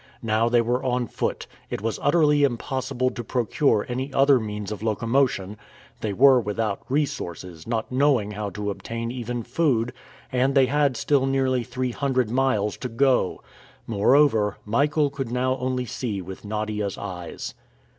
Now they were on foot; it was utterly impossible to procure any other means of locomotion, they were without resources, not knowing how to obtain even food, and they had still nearly three hundred miles to go! Moreover, Michael could now only see with Nadia's eyes.